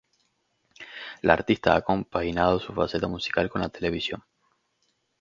La artista ha compaginado su faceta musical con la televisión.